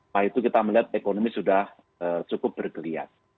lalu kita melihat ekonomi sudah cukup bergeliat